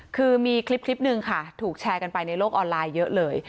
คือมีคลิปหนึ่งค่ะถูกแชร์กันไปในโลกออนไลน์เยอะเลย